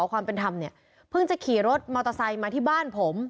ความเป็นธรรมเนี่ยเพิ่งจะขี่รถมอเตอร์ไซค์มาที่บ้านผม